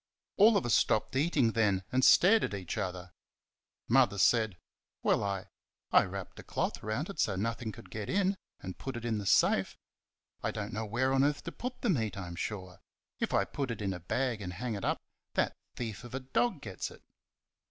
All of us stopped eating then, and stared at each other. Mother said, "Well, I I wrapped a cloth round it so nothing could get in, and put it in the safe I don't know where on earth to put the meat, I'm sure; if I put it in a bag and hang it up that thief of a dog gets it."